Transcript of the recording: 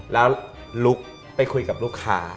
แล้วลุกไปคุยกับลูกค้า